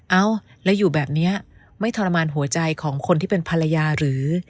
เอ้าแล้วอยู่แบบนี้ไม่ทรมานหัวใจของคนที่เป็นภรรยาหรือ